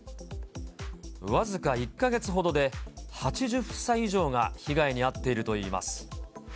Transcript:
僅か１か月ほどで、８０房以上が被害に遭っているといいます。